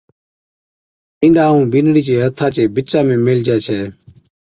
بِينڏا ائُون بِينڏڙِي چي ھٿان چي بِچا ۾ ميھيلتِي ڇَي